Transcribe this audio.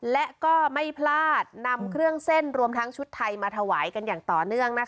และก็ไม่พลาดนำเครื่องเส้นรวมทั้งชุดไทยมาถวายกันอย่างต่อเนื่อง